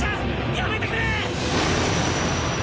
やめてくれ！